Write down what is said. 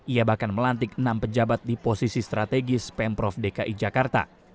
ia bahkan melantik enam pejabat di posisi strategis pemprov dki jakarta